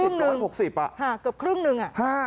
๑๖๐เกือบครึ่งหนึ่ง